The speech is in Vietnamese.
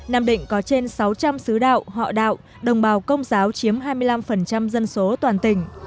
nam định có trên sáu trăm linh xứ đạo họ đạo đồng bào công giáo chiếm hai mươi năm dân số toàn tỉnh